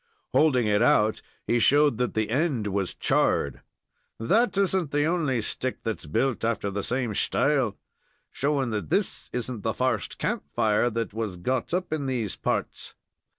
Holding it out, he showed that the end was charred. "That isn't the only stick that's built after the same shtyle, showing that this isn't the first camp fire that was got up in these parts.